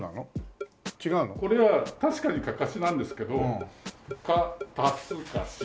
これは確かにかかしなんですけど「か＋かし」。